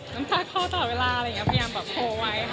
น้ำตาเข้าตลอดเวลาอะไรอย่างนี้พยายามแบบโทรไว้ค่ะ